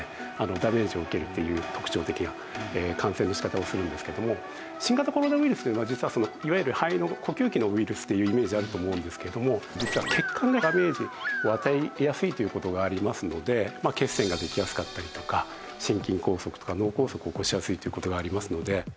ダメージを受けるっていう特徴的な感染の仕方をするんですけれども新型コロナウイルスというのは実はいわゆる肺の呼吸器のウイルスっていうイメージあると思うんですけれども実は血管にダメージを与えやすいという事がありますので血栓ができやすかったりとか心筋梗塞とか脳梗塞を起こしやすいという事がありますので。